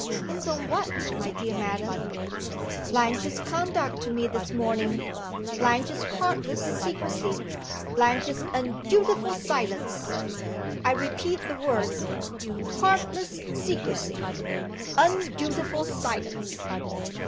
"Hints on what, my dear Madam?" "Blanche's conduct to me this morning. Blanche's heartless secrecy. Blanche's undutiful silence. I repeat the words: Heartless secrecy. Undutiful silence."